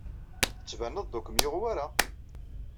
Tettbaneḍ-d ur kem-yuɣ wara.